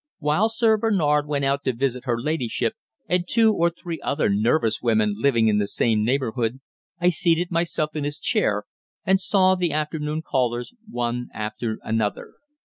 While Sir Bernard went out to visit her ladyship and two or three other nervous women living in the same neighbourhood, I seated myself in his chair and saw the afternoon callers one after another.